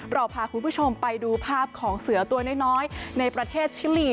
เราพาคุณผู้ชมไปดูภาพของเสือตัวน้อยในประเทศชิลี